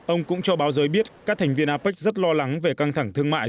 ông cũng cho báo giới biết các thành viên apec rất lo lắng về căng thẳng thương mại